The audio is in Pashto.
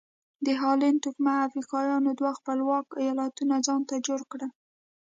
د هالنډ توکمه افریقایانو دوه خپلواک ایالتونه ځانته جوړ کړل.